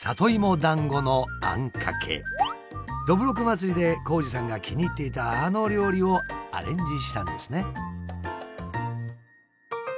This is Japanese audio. どぶろく祭りで紘二さんが気に入っていたあの料理をアレンジしたんですね。